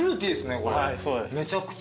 これめちゃくちゃ。